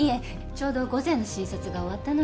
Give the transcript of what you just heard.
ちょうど午前の診察が終わったので。